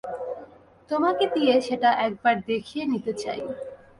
তোমাকে দিয়ে সেটা একবার দেখিয়ে নিতে চাই।